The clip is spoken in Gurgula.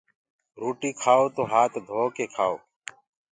روٽي ڪآئو تو هآت ڌو ڪي کآئو